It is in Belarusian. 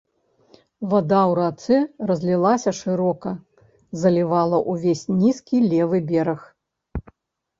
Вада ў рацэ разлілася шырока, залівала ўвесь нізкі левы бераг.